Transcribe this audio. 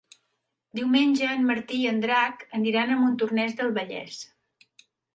Diumenge en Martí i en Drac aniran a Montornès del Vallès.